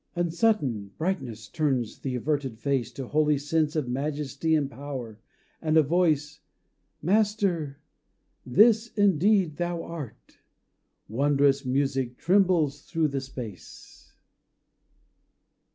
And sudden brightness turns the averted face, To holy sense of majesty and power And a voice: "Master this indeed thou art." Wondrous music trembles thro' the space.